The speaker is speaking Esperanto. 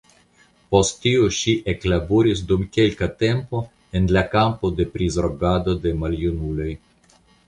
Post tio ŝi eklaboris dum kelka tempo en la kampo de prizorgado de maljunuloj.